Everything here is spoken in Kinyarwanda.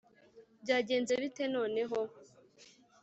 byagenze bite noneho?